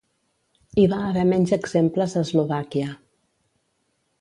Hi va haver menys exemples a Eslovàquia.